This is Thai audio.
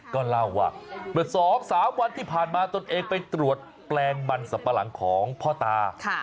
ก็เล่าว่าเมื่อ๒๓วันที่ผ่านมาตนเองไปตรวจแปลงมันสับปะหลังของพ่อตา